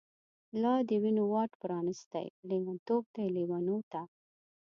لادوینو واټ پرانستی، لیونتوب دی لیونو ته